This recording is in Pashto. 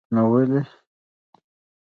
نو ولې.